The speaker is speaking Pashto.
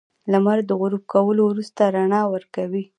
• لمر د غروب کولو وروسته رڼا ورکوي.